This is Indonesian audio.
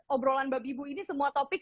obrolan babi ibu ini semua topik